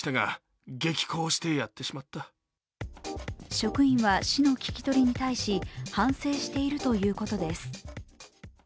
職員は、市の聞き取りに対し、反省しているということです。